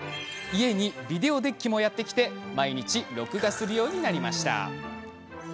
家にビデオデッキもやってきたので毎日、録画をするようにもなりました。